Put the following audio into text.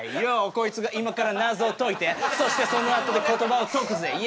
こいつが今からなぞをといてそしてそのあとでことばをとくぜイエー！